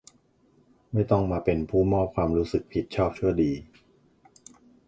ไม่ต้องมาเป็นผู้มอบความรู้สึกผิดชอบชั่วดี